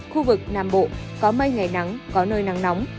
khu vực nam bộ có mây ngày nắng có nơi nắng nóng